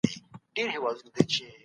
ښه کتاب د انسان تر ټولو غوره ملګری دی.